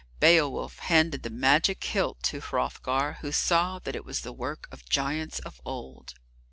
Beowulf handed the magic hilt to Hrothgar, who saw that it was the work of giants of old.